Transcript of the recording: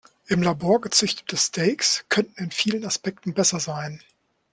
Im Labor gezüchtete Steaks könnten in vielen Aspekten besser sein.